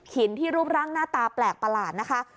ที่รูปร่างหน้าตาแปลกประหลาดนะคะ